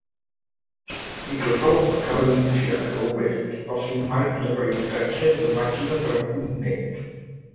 Microsoft acaba d'anunciar que ha obert el seu marc d'aprenentatge de màquina per a punt net.